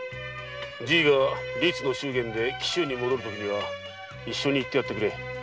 じいが律の祝言で紀州に戻るときには一緒に行ってやってくれ。